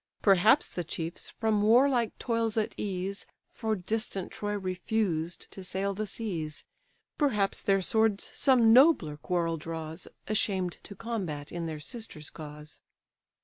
Perhaps the chiefs, from warlike toils at ease, For distant Troy refused to sail the seas; Perhaps their swords some nobler quarrel draws, Ashamed to combat in their sister's cause."